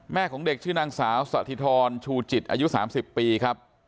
ของเด็กชื่อนางสาวสถิธรชูจิตอายุ๓๐ปีครับ